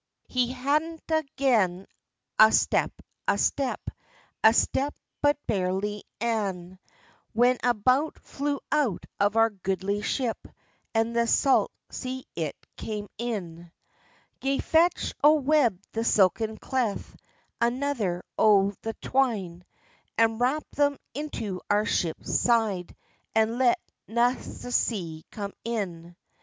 He hadna gane a step, a step, A step but barely ane, When a bout flew out of our goodly ship, And the salt sea it came in. "Gae, fetch a web o' the silken claith, Another o' the twine, And wap them into our ship's side, And let na the sea come in."